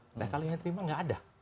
nah kalau yang terima nggak ada